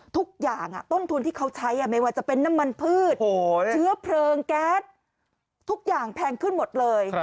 ทุกอย่างต้นทุนที่เขาใช้ไม่ว่าจะเป็นน้ำมันพืชเชื้อเพลิงแก๊สทุกอย่างแพงขึ้นหมดเลย